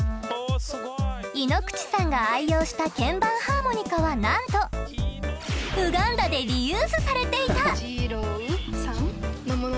井ノ口さんが愛用した鍵盤ハーモニカはなんとウガンダでリユースされていた！